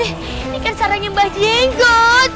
ini kan sarang yang bahagia engkau